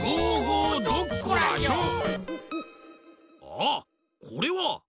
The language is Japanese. ああっこれは。